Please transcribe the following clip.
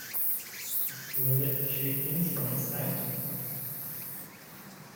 Will it shoot things from its snout?